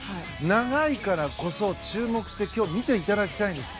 長いからこそ、注目して見ていただきたいんです。